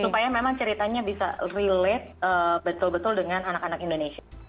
supaya memang ceritanya bisa relate betul betul dengan anak anak indonesia